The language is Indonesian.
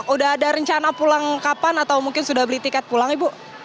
udah ada rencana pulang kapan atau mungkin sudah beli tiket pulang ibu